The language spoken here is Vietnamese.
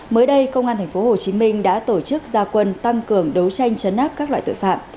mới đây công an tp hcm đã tổ chức gia quân tăng cường đấu tranh chấn áp các loại tội phạm